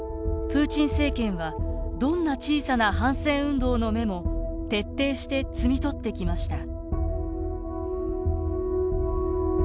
プーチン政権はどんな小さな反戦運動の芽も徹底して摘み取ってきました。